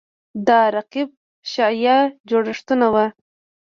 دا رقیب شیعه جوړښتونه وو